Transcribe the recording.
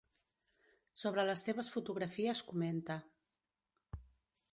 Sobre les seves fotografies comenta.